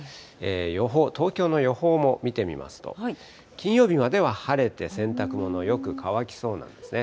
予報、東京の予報も見てみますと、金曜日までは晴れて、洗濯物、よく乾きそうなんですね。